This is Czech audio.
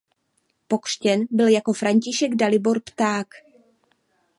Pokřtěn byl jako František Dalibor Pták.